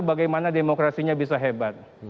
bagaimana demokrasinya bisa hebat